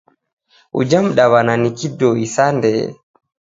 Uja mdaw'ana ni kidoi sa ndee.